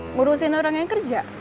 ngurusin orang yang kerja